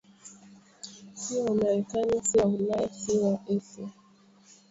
Siyo wamarekani siyo wa Ulaya siyo wa Asia